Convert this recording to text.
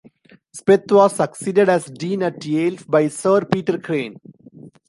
Speth was succeeded as Dean at Yale by Sir Peter Crane.